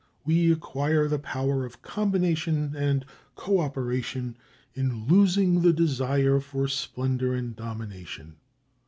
We acquire the power of combination and co operation, in losing the desire for splendour and domination.